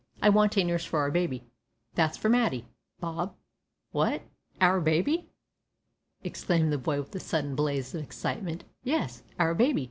I want a nurse for our baby,' that's for Matty, Bob " "What! our baby!" exclaimed the boy with a sudden blaze of excitement. "Yes our baby.